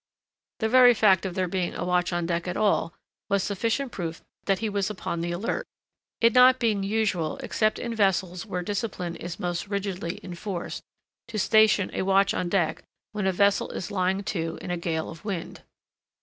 The very fact of there being a watch on deck at all was sufficient proof that he was upon the alert,—it not being usual except in vessels where discipline is most rigidly enforced, to station a watch on deck when a vessel is lying to in a gale of wind.